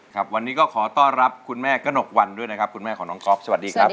ครับวันนี้ก็ขอต้อนรับคุณแม่กระหนกวันด้วยนะครับคุณแม่ของน้องก๊อฟสวัสดีครับ